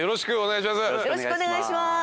よろしくお願いします。